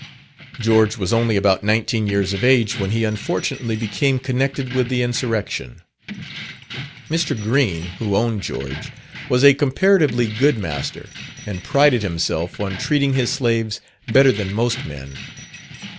George was only about nineteen years of age, when he unfortunately became connected with the insurrection. Mr. Green, who owned George, was a comparatively good master, and prided himself on treating his slaves better than most men.